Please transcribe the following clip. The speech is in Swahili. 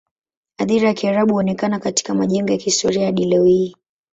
Athira ya Kiarabu huonekana katika majengo ya kihistoria hadi leo hii.